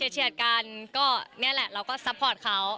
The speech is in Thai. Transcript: เชียดกันก็นี่แหละเราก็ซัพพอร์ตเขา